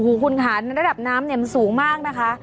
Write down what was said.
คุณหนูค่าระดาษน้ำมันสูงมากนะคะ